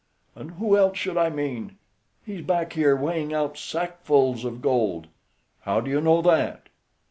"And who else should I mean? He's back here weighing out sackfuls of gold." "How do you know that?"